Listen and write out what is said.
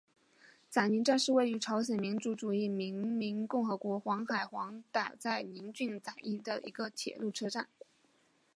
载宁站是位于朝鲜民主主义人民共和国黄海南道载宁郡载宁邑的一个铁路车站。